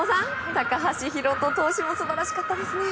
高橋宏斗投手も素晴らしかったですね。